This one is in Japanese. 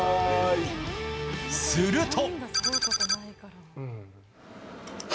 すると。